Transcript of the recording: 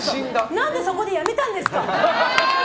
何でそこでやめたんですか？